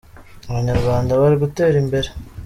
abanyarwanda bari gutera imbere.